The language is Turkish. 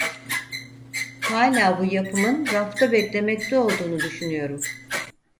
Hala bu yapımın rafta beklemekte olduğunu düşünüyorum.